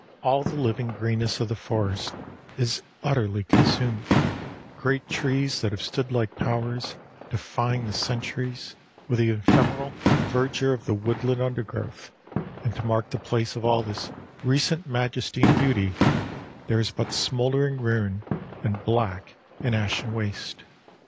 All the living greenness of the forest is utterly consumed great trees that have stood like towers, defying the centuries, with the ephemeral verdure of the woodland undergrowth; and to mark the place of all this recent majesty and beauty, there is but smouldering ruin and black and ashen waste.